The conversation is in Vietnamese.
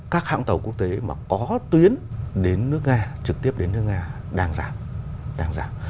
các hãng tàu quốc tế mà có tuyến đến nước nga trực tiếp đến nước nga đang giảm